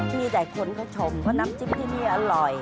มีแต่คนก็ชมเพราะน้ำจิ้มที่นี่อร่อย